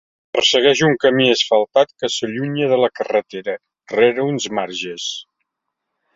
Ressegueix un camí asfaltat que s'allunya de la carretera, rere uns marges.